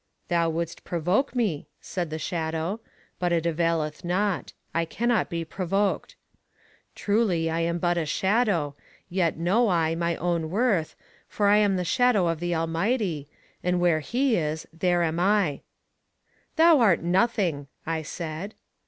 Thou wouldst provoke me, said the shadow; but it availeth not. I cannot be provoked. Truly, I am but a shadow, yet know I my own worth, for I am the Shadow of the Almighty, and where he is, there am I Thou art nothing, I said.